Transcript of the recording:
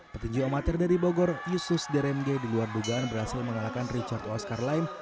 petinju amatir dari bogor yusus deremge di luar dugaan berhasil mengalahkan richard oskar lime